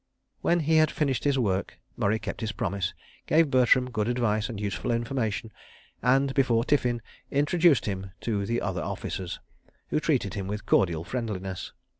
When he had finished his work, Murray kept his promise, gave Bertram good advice and useful information, and, before tiffin, introduced him to the other officers—who treated him with cordial friendliness.